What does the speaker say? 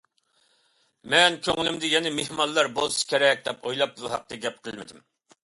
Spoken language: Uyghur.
مەن كۆڭلۈمدە يەنە مېھمانلار بولسا كېرەك دەپ ئويلاپ بۇ ھەقتە گەپ قىلمىدىم.